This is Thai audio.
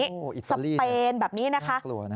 อิตาลีน่ะน่ากลัวนะครับสเปนแบบนี้นะคะ